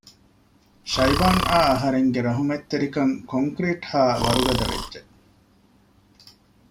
ޝައިބާން އާ އަހަރެން ގެ ރަހުމަތް ތެރިކަން ކޮންކްރިޓް ހާ ވަރުގަދަ ވެއްޖެ